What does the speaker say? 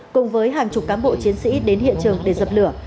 cùng với hàng chục cán bộ chiến sĩ đến hiện trường để dập lửa